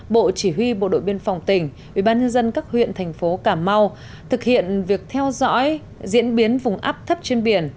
bộ chỉ huy bộ đội biên phòng tỉnh ubnd các huyện thành phố cà mau thực hiện việc theo dõi diễn biến vùng áp thấp trên biển